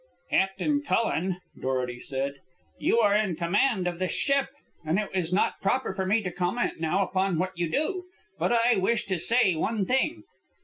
"Captain Cullen," Dorety said, "you are in command of this ship, and it is not proper for me to comment now upon what you do. But I wish to say one thing.